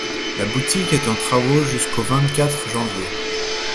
La boutique est en travaux jusqu'au vingt-quatre janvier.